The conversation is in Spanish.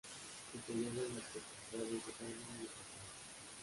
Se celebran la festividades de El Carmen y El Rosario.